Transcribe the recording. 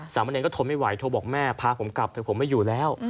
สามเณรก็ทนไม่ไหวโทรบอกแม่พาผมกลับแต่ผมไม่อยู่แล้ว